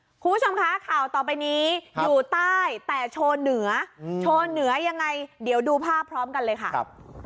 คุณผู้ชมคะข่าวต่อไปนี้อยู่ใต้แต่โชว์เหนือโชว์เหนือยังไงเดี๋ยวดูภาพพร้อมกันเลยค่ะครับ